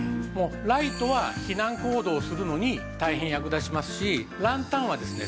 ライトは避難行動をするのに大変役立ちますしランタンはですね